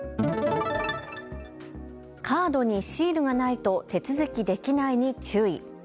カードにシールがないと手続きできないに注意。